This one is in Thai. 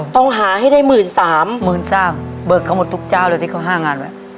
ต้องหาให้ได้หมื่นสามหมื่นสามเบิกเขาหมดทุกเจ้าเลยที่เขาห้างานไว้